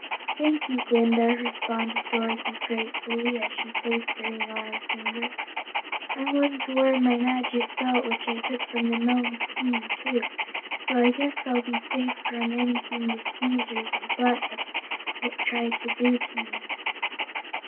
"Thank you, Glinda," responded Dorothy gratefully, as she placed the ring on her finger. "I'm going to wear my Magic Belt which I took from the Nome King, too, so I guess I'll be safe from anything the Skeezers and Flatheads try to do to me."